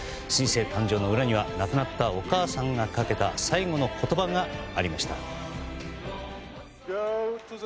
新星誕生の裏には亡くなったお母さんがかけた最後の言葉がありました。